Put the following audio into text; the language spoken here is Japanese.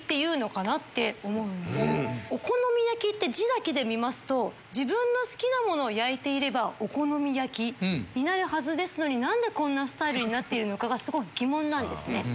お好み焼きって字だけで見ますと自分の好きなものを焼いていればお好み焼きになるはずですのに何でこんなスタイルになってるかすごく疑問なんですね。